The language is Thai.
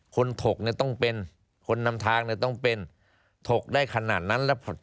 ถกเนี่ยต้องเป็นคนนำทางต้องเป็นถกได้ขนาดนั้นแล้ว